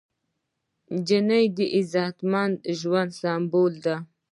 نجلۍ د عزتمن ژوند سمبول ده.